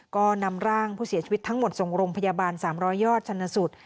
ก็นำร่างผู้เสียชีวิตทั้งหมดส่งโรงพยาบาล๓๐๐ยอดชันสุด